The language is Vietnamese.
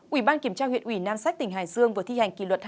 ủy ban kiểm tra huyện ủy nam sách tỉnh hải dương vừa thi hành kỷ luật